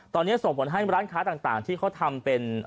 ตอนนี้ส่งผลให้ร้านค้าต่างที่เขาทำเป็น